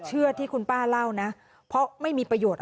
เชื่อที่คุณป้าเล่านะเพราะไม่มีประโยชน์